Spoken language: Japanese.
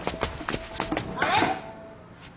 あれ？